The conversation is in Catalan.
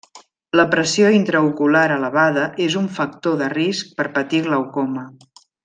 La pressió intraocular elevada és un factor de risc per patir glaucoma.